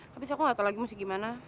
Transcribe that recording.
habis aku nggak tau lagi mau segimana